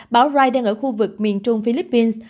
bão rai đang ở khu vực miền trung philippines